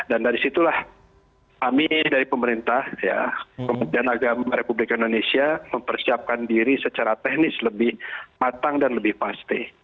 dan dari situlah kami dari pemerintah ya dan agama republik indonesia mempersiapkan diri secara teknis lebih patang dan lebih pasti